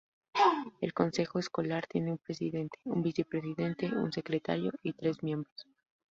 El consejo escolar tiene un presidente, un vicepresidente, un secretario, y tres miembros.